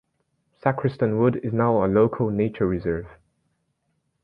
Sacriston Wood is now a local nature reserve.